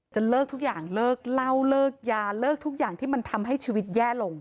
เลิกทุกอย่างเลิกเล่าเลิกยาเลิกทุกอย่างที่มันทำให้ชีวิตแย่ลง